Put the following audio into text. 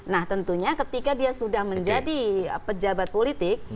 nah tentunya ketika dia sudah menjadi pejabat politik